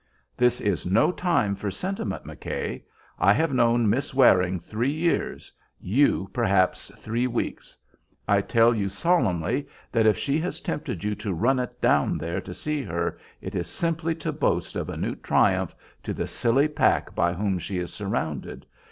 "This is no time for sentiment, McKay. I have known Miss Waring three years; you, perhaps three weeks. I tell you solemnly that if she has tempted you to 'run it' down there to see her it is simply to boast of a new triumph to the silly pack by whom she is surrounded.